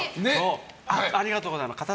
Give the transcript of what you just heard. ありがとうございます。